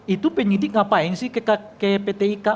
itu penyidik ngapain sih ke pt ika